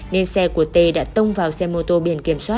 nên xe của t đã tông vào xe mô tô biển của roma